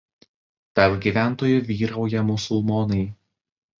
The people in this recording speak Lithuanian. Tarp gyventojų vyrauja musulmonai.